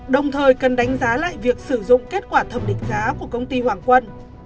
đồng thời cần đánh giá lại việc sử dụng kết quả thẩm định giá của công ty hoàng quân